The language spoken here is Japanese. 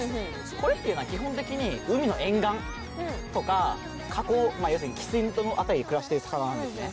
これって基本的に海の沿岸とか河口汽水の辺りで暮らしてる魚なんですね。